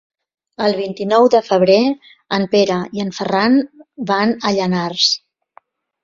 El vint-i-nou de febrer en Pere i en Ferran van a Llanars.